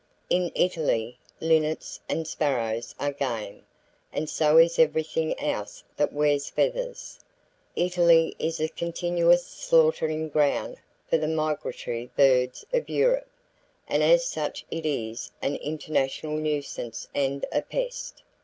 In Italy, linnets and sparrows are "game"; and so is everything else that wears feathers! Italy is a continuous slaughtering ground for the migratory birds of Europe, and as such it is an international nuisance and a pest.